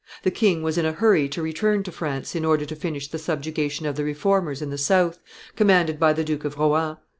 The king was in a hurry to return to France in order to finish the subjugation of the Reformers in the south, commanded by the Duke of Rohan.